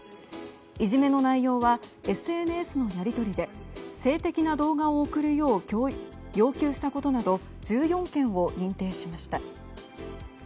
いじめの内容はＳＮＳのやり取りで性的な動画を送るよう要求したことなど１４件を認定しました。